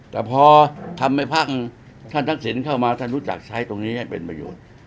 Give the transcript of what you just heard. แต่พอทำให้พักท่านทักษิณเข้ามาท่านรู้จักใช้ตรงนี้ให้เป็นประโยชน์